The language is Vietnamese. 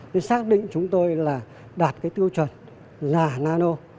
thì xác định chúng tôi là đạt cái tiêu chuẩn là nano